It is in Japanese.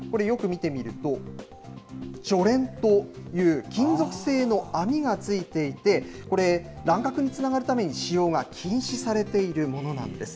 これ、よく見てみると、じょれんという、金属製の網がついていて、これ、乱獲につながるために使用が禁止されているものなんです。